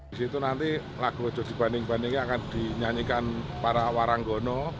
di situ nanti lagu ojo dibanding bandingnya akan dinyanyikan para waranggono